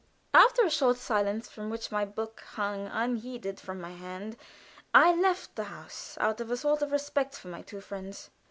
After a short silence, during which my book hung unheeded from my hand, I left the house, out of a sort of respect for my two friends.